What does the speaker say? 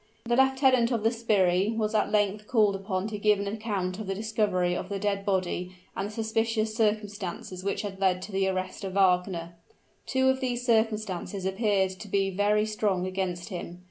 The lieutenant of the sbirri was at length called upon to give an account of the discovery of the dead body and the suspicious circumstances which had led to the arrest of Wagner. Two of these circumstances appeared to be very strong against him.